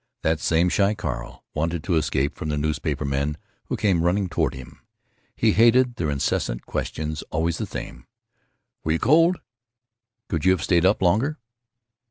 That same shy Carl wanted to escape from the newspaper men who came running toward him. He hated their incessant questions—always the same: "Were you cold? Could you have stayed up longer?"